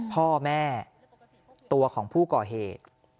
พ่อแม่ตัวของผู้ก่อเหตุ